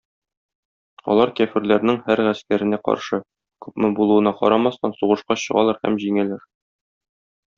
Алар кяферләрнең һәр гаскәренә каршы, күпме булуына карамастан, сугышка чыгалар һәм җиңәләр.